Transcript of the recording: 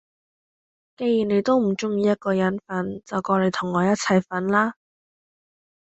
既然你都唔中意一個人瞓，就過嚟同我一齊瞓啦